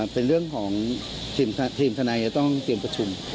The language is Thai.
เป็นเรื่องของทีมทนายจะต้องเตรียมประชุม